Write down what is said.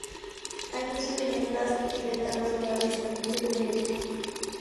Hay muchas leyendas tibetanas sobre avistamientos del yeti.